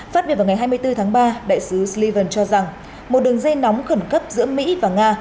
phát biểu vào ngày hai mươi bốn tháng ba đại sứ slyvan cho rằng một đường dây nóng khẩn cấp giữa mỹ và nga